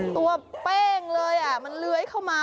เป้งเลยมันเลื้อยเข้ามา